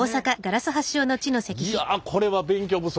いやこれは勉強不足。